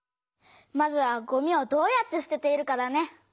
まずはごみをどうやってすてているかだね。